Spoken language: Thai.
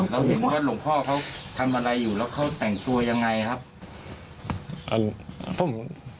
เราเห็นว่าหลวงพ่อเขาทำอะไรอยู่แล้วเขาแต่งตัวยังไงครับเอ่อพวกผม